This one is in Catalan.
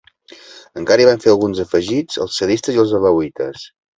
Encara hi van fer alguns afegits els sadites i els alauites.